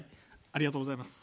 ありがとうございます。